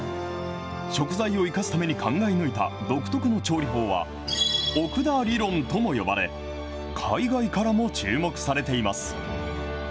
食材を生かすために考え抜いた独特の調理法は、奥田理論とも呼ばれ、海外からも注目されています。